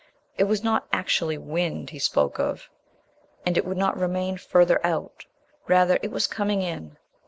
It was not actually "wind" he spoke of, and it would not remain "further out"...rather, it was coming in.